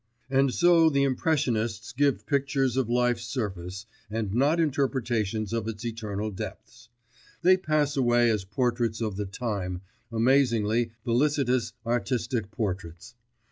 And so the Impressionists give pictures of life's surface, and not interpretations of its eternal depths: they pass away as portraits of the time, amazingly felicitous artistic portraits.